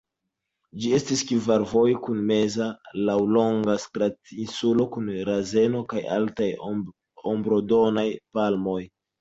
Ĝi estis kvarvoja kun meza laŭlonga stratinsulo kun razeno kaj altaj ombrodonaj palmoj.